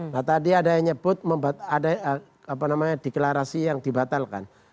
nah tadi ada yang nyebut ada deklarasi yang dibatalkan